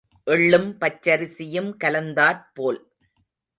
எள்ளும் பச்சரிசியும் கலந்தாற் போல்.